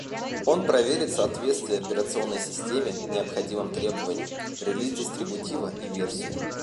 Он проверит соответствие операционной системе необходимым требованиям, релиз дистрибутива и версию